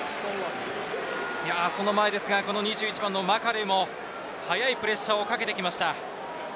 その前ですが、２１番のマカルーも速いプレッシャーをかけてきました。